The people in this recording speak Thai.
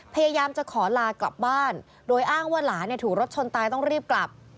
พยายามจะขอลากลับบ้านโดยอ้างว่าหลานถูกรถชนตายต้องรีบกลับ